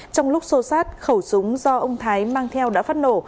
trong lúc xô sát khẩu súng do ông thái mang theo đã phát nổ